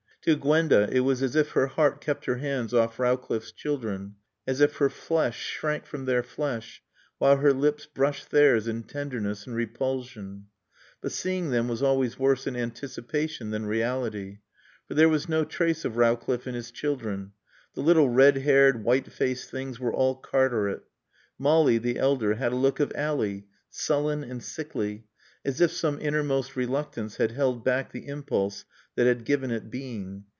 To Gwenda it was as if her heart kept her hands off Rowcliffe's children, as if her flesh shrank from their flesh while her lips brushed theirs in tenderness and repulsion. But seeing them was always worse in anticipation than reality. For there was no trace of Rowcliffe in his children. The little red haired, white faced things were all Cartaret. Molly, the elder, had a look of Ally, sullen and sickly, as if some innermost reluctance had held back the impulse that had given it being.